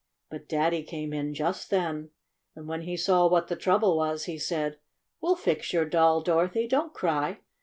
But Daddy came in just then, and when he saw what the trouble was he said : "We'll fix your doll, Dorothy. Don't cry.